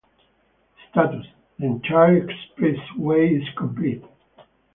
Status: The entire expressway is complete.